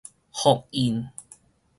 複印